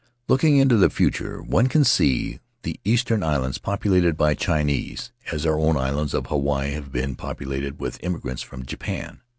Looking into the future, one can see the Eastern islands populated by Chinese, as our own islands of Hawaii have been peopled with immigrants from Japan.